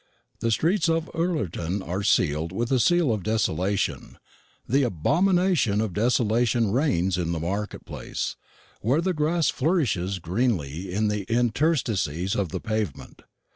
The streets of Ullerton are sealed with the seal of desolation the abomination of desolation reigns in the market place, where the grass flourishes greenly in the interstices of the pavement.